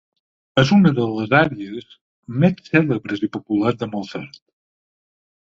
És una de les àries més cèlebres i populars de Mozart.